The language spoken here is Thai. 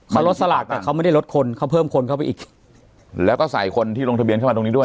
เขาลดสลากแต่เขาไม่ได้ลดคนเขาเพิ่มคนเข้าไปอีกแล้วก็ใส่คนที่ลงทะเบียนเข้ามาตรงนี้ด้วย